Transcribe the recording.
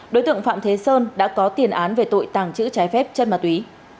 đối tượng phạm thế sơn đã có tiền án về tội tàng trữ trái phép chất ma túy